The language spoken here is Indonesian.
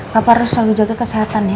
bapak harus selalu jaga kesehatan ya